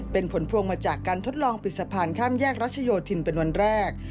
เป็นผลพวงมาจากการทดลองปิดสะพานข้ามแยกรัชโยธินเป็นวันแรก